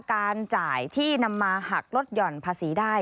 การจ่ายที่นำมาหักลดหย่อนภาษีได้